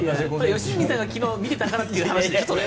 良純さんが昨日は見てたからって話でしょ。